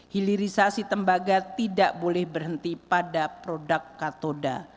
hilirisasi tembaga tidak boleh berhenti pada produk katoda